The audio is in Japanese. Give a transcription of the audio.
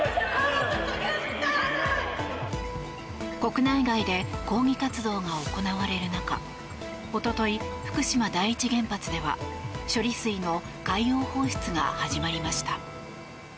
国内外で抗議活動が行われる中おととい、福島第一原発では処理水の海洋放出が始まりました。